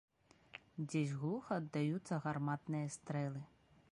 Дзесь глуха аддаюцца гарматныя стрэлы.